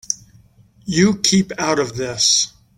You keep out of this.